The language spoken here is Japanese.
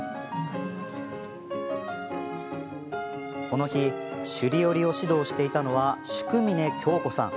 この日、首里織を指導していたのは祝嶺恭子さん。